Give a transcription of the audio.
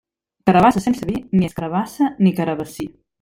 Carabassa sense vi, ni és carabassa ni carabassí.